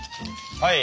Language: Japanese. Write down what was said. はい。